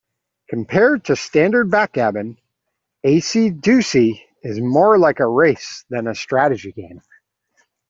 Compared to standard backgammon, acey-deucey is more like a race than a strategy game.